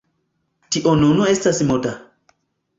Tio nun estas moda.